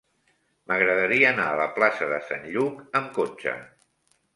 M'agradaria anar a la plaça de Sant Lluc amb cotxe.